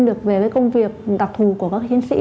được về với công việc đặc thù của các chiến sĩ